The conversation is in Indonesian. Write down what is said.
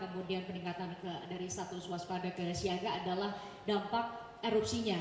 kemudian peningkatan dari status waspada ke siaga adalah dampak erupsinya